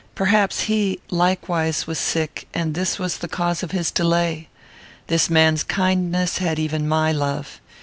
Perhaps he, likewise, was sick, and this was the cause of his delay. This man's kindness had even my love.